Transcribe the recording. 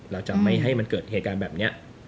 เราจะไม่ให้มันเกิดเหตุการณ์แบบนี้